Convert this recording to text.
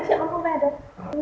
thành ra là lúc đấy đâu rồi đấy